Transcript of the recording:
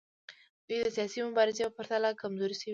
دوی د سیاسي مبارزې په پرتله کمزورې شوي دي